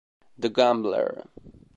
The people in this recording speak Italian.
The Gambler